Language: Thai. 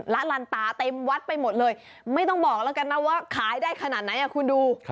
ละลันตาเต็มวัดไปหมดเลยไม่ต้องบอกแล้วกันนะว่าขายได้ขนาดไหนคุณดู